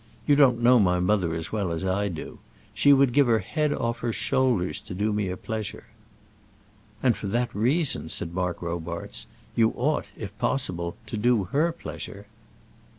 You don't know my mother as well as I do. She would give her head off her shoulders to do me a pleasure." "And for that reason," said Mark Robarts, "you ought, if possible, to do her pleasure."